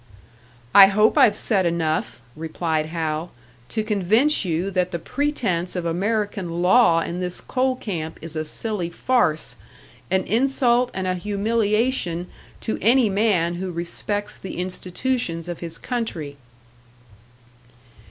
"I hope I've said enough," replied Hal "to convince you that the pretence of American law in this coal camp is a silly farce, an insult and a humiliation to any man who respects the institutions of his country."